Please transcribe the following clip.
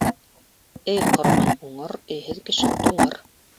Өй ҡорған уңыр, өйһөҙ кеше туңыр.